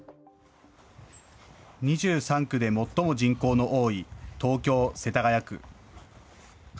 ２３区で最も人口の多い東京・世田谷区。